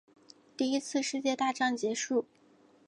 第一次世界大战结束